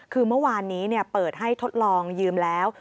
คือเมื่อวานนี้เปิดให้ทดลองยืมแล้ว